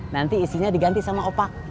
nanti isinya diganti sama opak